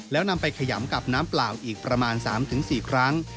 แล้วนำไปขยำกับน้ำเปล่าอีกประมาณ๓๔ครั้ง